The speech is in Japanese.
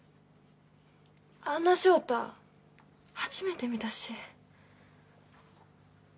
あんな翔太初めて見たし。